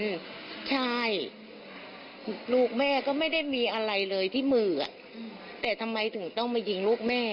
อืมใช่ลูกแม่ก็ไม่ได้มีอะไรเลยที่มืออ่ะแต่ทำไมถึงต้องมายิงลูกแม่